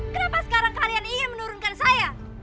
kenapa sekarang kalian ingin menurunkan saya